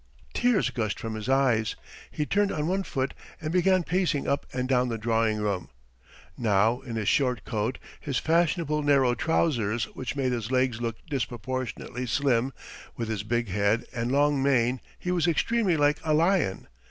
Tears gushed from his eyes. He turned on one foot and began pacing up and down the drawing room. Now in his short coat, his fashionable narrow trousers which made his legs look disproportionately slim, with his big head and long mane he was extremely like a lion.